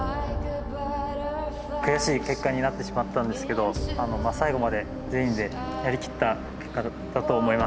悔しい結果になってしまったんですけど最後まで全員でやりきった結果だったと思います。